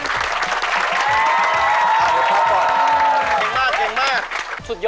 สุดยอดนะ